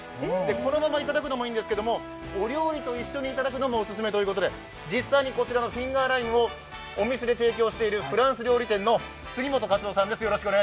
このまま頂くのもいいんですけど、お料理と一緒に頂くのもオススメということで実際にこちらのフィンガーライムをお店で提供しているフランス料理店の杉本さんです。